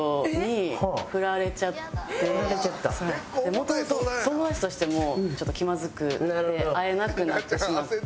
もともと友達としてもちょっと気まずくなって会えなくなってしまって。